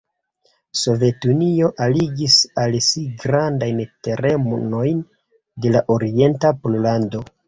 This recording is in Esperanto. Sovetunio aligis al si grandajn terenojn de la orienta Pollando.